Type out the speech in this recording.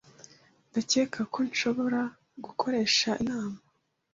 Ndakeka ko nshobora gukoresha inama.